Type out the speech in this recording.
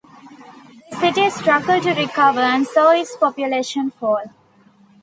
The city struggled to recover and saw its population fall.